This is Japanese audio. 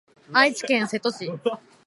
愛知県瀬戸市